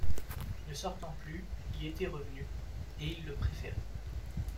Ne sortant plus, il y était revenu, et il le préférait.